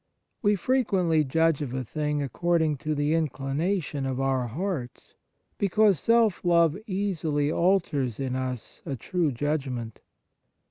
We frequently judge of a thing according to the inclination of our hearts, because self love easily alters in us a true judgment."